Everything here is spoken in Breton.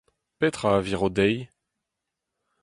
Petra a viro dezhi ?